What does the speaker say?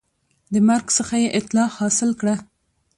د مرګ څخه یې اطلاع حاصل کړه